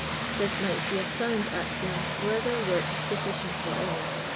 This might be a sound axiom were there work sufficient for all.